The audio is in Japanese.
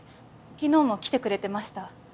昨日も来てくれてました。